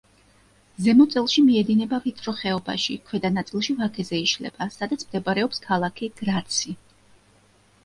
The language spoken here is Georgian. ზემო წელში მიედინება ვიწრო ხეობაში, ქვედა ნაწილში ვაკეზე იშლება, სადაც მდებარეობს ქალაქი გრაცი.